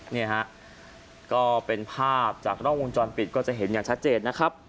นี่ฮะก็เป็นภาพจากกล้องวงจรปิดก็จะเห็นอย่างชัดเจนนะครับ